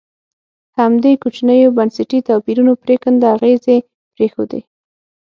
همدې کوچنیو بنسټي توپیرونو پرېکنده اغېزې پرېښودې.